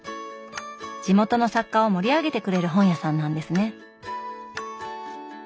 地元の作家を盛り上げてくれる本屋さんなんですね。